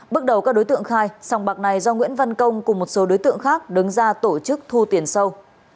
bước đầu các đối tượng khai sòng bạc này do nguyễn văn công cùng một số đối tượng khác đứng ra tổ chức thu tiền sâu